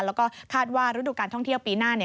แล้วก็คาดว่ารุ่นดูกการท่องเที่ยวปีหน้า